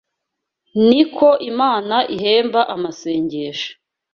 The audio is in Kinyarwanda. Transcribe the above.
niko Imana ihemba amasengesho